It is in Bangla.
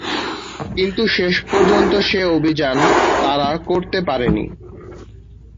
কিন্তু শেষ পর্যন্ত সে অভিযান তারা করতে পারেননি।